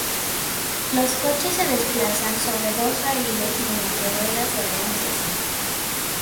Los coches se desplazan sobre dos raíles mediante ruedas de adherencia simple.